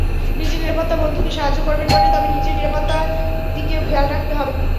নিজের নিরাপত্তাবন্ধুকে সাহায্য করবেন বটে, তবে নিজের নিরাপত্তার দিকেও খেয়াল রাখতে হবে।